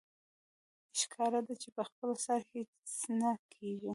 ښکاره ده چې په خپل سر هېڅ نه کېږي